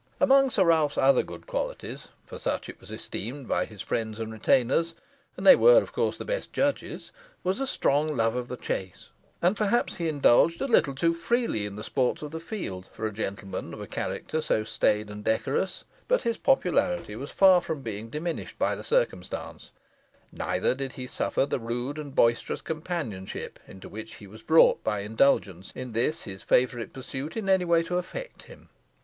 Amongst Sir Ralph's other good qualities, for such it was esteemed by his friends and retainers, and they were, of course, the best judges, was a strong love of the chase, and perhaps he indulged a little too freely in the sports of the field, for a gentleman of a character so staid and decorous; but his popularity was far from being diminished by the circumstance; neither did he suffer the rude and boisterous companionship into which he was brought by indulgence in this his favourite pursuit in any way to affect him.